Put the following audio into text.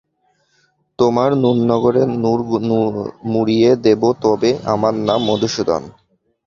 তোমার নুরনগরের নুর মুড়িয়ে দেব তবে আমার নাম মধূসূদন।